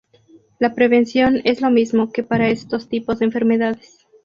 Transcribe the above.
La prevención es lo mismo que para estos tipos de enfermedades.